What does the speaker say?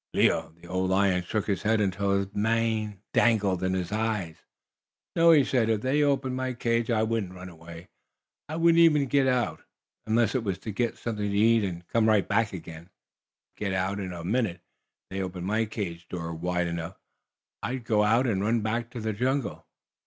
Leo, the old lion, shook his head until his mane dangled in his eyes. "No," he said, "if they opened my cage, I wouldn't run away. I wouldn't even go out, unless it was to get something to eat and come right back again." "I would!" growled Nero. "I'd go out in a minute, if they opened my cage door wide enough. I'd go out and run back to the jungle."